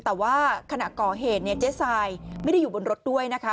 แต่ว่าขณะก่อเหตุเนี่ยเจ๊ทรายไม่ได้อยู่บนรถด้วยนะคะ